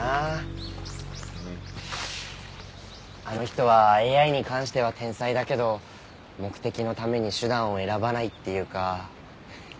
あの人はＡＩに関しては天才だけど目的のために手段を選ばないっていうか。